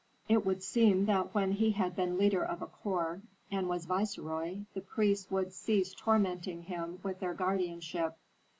It would seem that when he had been leader of a corps and was viceroy the priests would cease tormenting him with their guardianship.